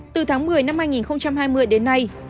từ tháng một mươi năm hai nghìn hai mươi đến nay